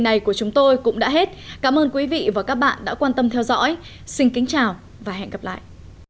ngày của chúng tôi cũng đã hết cảm ơn quý vị và các bạn đã quan tâm theo dõi xin kính chào và hẹn gặp lại